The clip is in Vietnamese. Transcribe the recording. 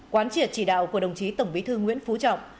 quán triệt chỉ đạo của đồng chí tổng bí thư nguyễn phú trọng